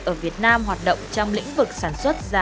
ở việt nam hoạt động trong lĩnh vực sản xuất giả